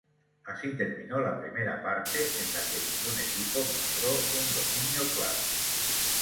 Así terminó la primera parte en la que ningún equipo mostró un dominio claro.